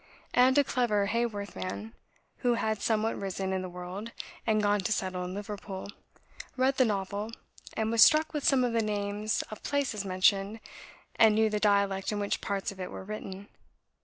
And a clever Haworth man, who had somewhat risen in the world, and gone to settle in Liverpool, read the novel, and was struck with some of the names of places mentioned, and knew the dialect in which parts of it were written.